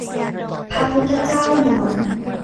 พระพุทธเจ้าหลวง